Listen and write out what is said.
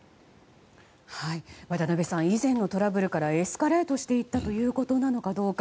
渡辺さん以前のトラブルからエスカレートしていったことなのかどうか。